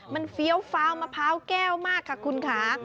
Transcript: มันเฟี้ยวฟ้าวมะพร้าวแก้วมากค่ะคุณค่ะ